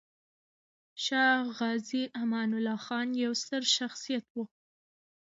شاه غازي امان الله خان يو ستر شخصيت و.